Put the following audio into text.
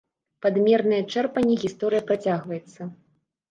Пад мернае чэрпанне гісторыя працягваецца.